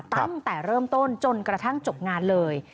ตั้งแต่เริ่มต้นจนกระทั่งจบงานเลย